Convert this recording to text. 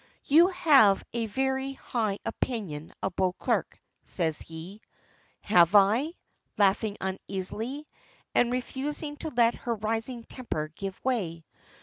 "You have a very high opinion of Beauclerk," says he. "Have I?" laughing uneasily, and refusing to let her rising temper give way.